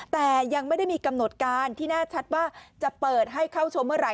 แต่ยังไม่ได้มีกำหนดการที่แน่ชัดว่าจะเปิดให้เข้าชมเมื่อไห